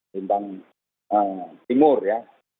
bintang timur ya